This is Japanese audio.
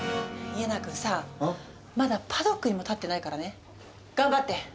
家長くんさあまだパドックにも立ってないからね頑張って。